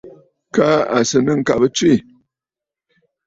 Kaa à sɨ̀ nɨ̂ ŋ̀kabə tswê.